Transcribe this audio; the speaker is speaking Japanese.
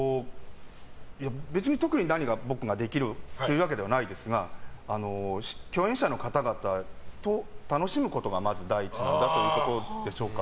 別に特に何が僕ができるというわけではないですが共演者の方々と楽しむことがまず第一なんだということでしょうか。